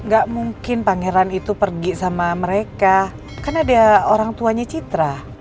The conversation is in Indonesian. gak mungkin pangeran itu pergi sama mereka kan ada orang tuanya citra